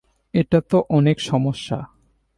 এটা তো অনেক সমস্যা।